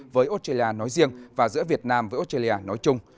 với australia nói riêng và giữa việt nam với australia nói chung